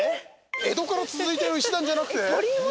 江戸から続いてる石段じゃなくて？